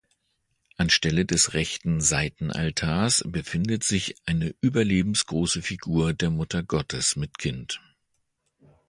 Anstelle des rechten Seitenaltares befindet sich eine überlebensgroße Figur der Mutter Gottes mit Kind.